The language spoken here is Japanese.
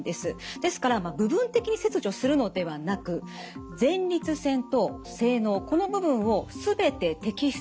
ですから部分的に切除するのではなく前立腺と精のうこの部分を全て摘出します。